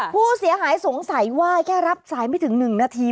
ผู้เสียหายสงสัยว่าแค่รับสายไม่ถึง๑นาที